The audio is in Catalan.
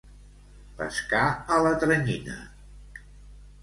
Pescar a la tranyina.